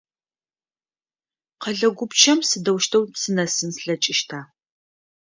Къэлэ гупчэм сыдэущтэу сынэсын слъэкӏыщта?